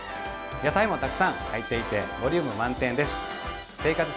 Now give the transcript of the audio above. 野菜もたくさん入っていてボリューム満点です。